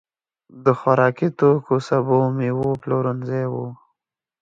د خوراکتوکو، سبو، مېوو پلورنځي وو.